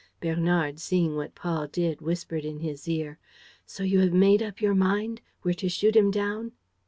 Bernard, seeing what Paul did, whispered in his ear: "So you have made up your mind? We're to shoot him down?"